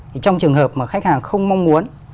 thì trong trường hợp mà khách hàng không mong muốn